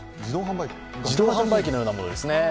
自動販売機のようなものですね。